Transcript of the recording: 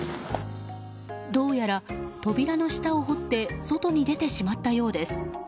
どうやら、扉の下を掘って外に出てしまったようです。